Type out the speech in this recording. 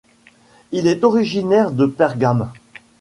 Il est originaire de Pergame.